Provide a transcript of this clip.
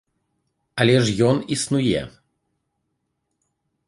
Але ж ён існуе.